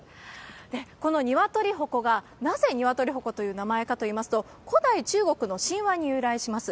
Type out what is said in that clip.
で、この鶏鉾がなぜ鶏鉾という名前かといいますと、古代中国の神話に由来します。